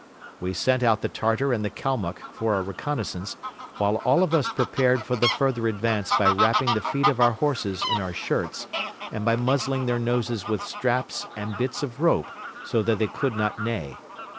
We sent out the Tartar and the Kalmuck for a reconnaissance while all of us prepared for the further advance by wrapping the feet of our horses in our shirts and by muzzling their noses with straps and bits of rope so that they could not neigh.